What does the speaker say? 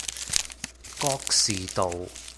覺士道